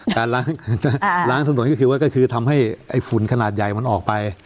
การล้างถนนก็คือว่าก็คือทำให้ไอ้ฝุ่นขนาดใหญ่มันออกไป